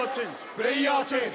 プレーヤーチェンジ。